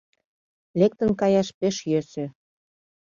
Лектын каяш пеш йӧсӧ.